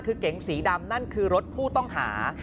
คือเก๋งสีดำนั่นคือรถผู้ต้องหา